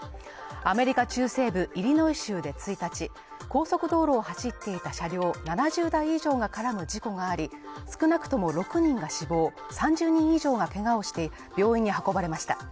アメリカ中西部イリノイ州で１日、高速道路を走っていた車両７０台以上が絡む事故があり、少なくとも６人が死亡、３０人以上がけがをして病院に運ばれました。